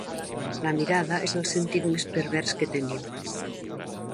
La mirada és el sentit més pervers que tenim.